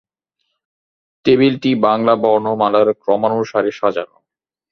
টেবিলটি বাংলা বর্ণমালার ক্রমানুসারে সাজানো।